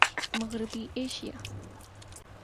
مغربی ایشیا